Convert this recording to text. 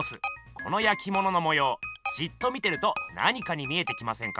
このやきもののもようじっと見てると何かに見えてきませんか？